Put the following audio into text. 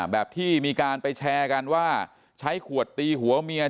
แบบที่มีการไปแชร์กันว่าใช้ขวดตีหัวเมีย